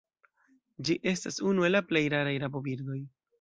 Ĝi estas unu el la plej raraj rabobirdoj.